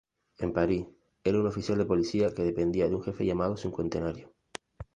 En París, era un oficial de policía que dependía de un jefe llamado cincuentenario.